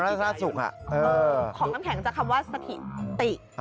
น้ำแขนของคำแขนจะคำว่าสติติ